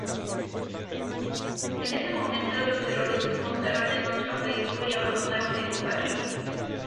En ese momento, los terroristas montaron en otro vehículo y abandonaron el lugar.